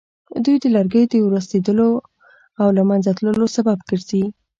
دوی د لرګیو د ورستېدلو او له منځه تلو سبب ګرځي.